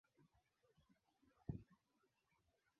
aa moja kwa moja niangazie kidogo